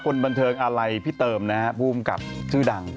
คนบันเทิงอะไรพี่เติมนะฮะผู้กำกับชื่อดัง